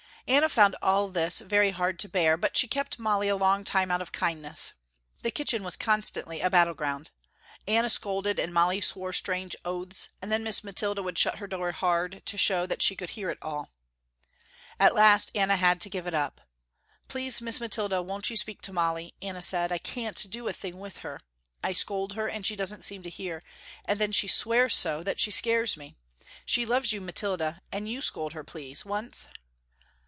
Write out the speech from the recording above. Anna found all this very hard to bear, but she kept Molly a long time out of kindness. The kitchen was constantly a battle ground. Anna scolded and Molly swore strange oaths, and then Miss Mathilda would shut her door hard to show that she could hear it all. At last Anna had to give it up. "Please Miss Mathilda won't you speak to Molly," Anna said, "I can't do a thing with her. I scold her, and she don't seem to hear and then she swears so that she scares me. She loves you Miss Mathilda, and you scold her please once."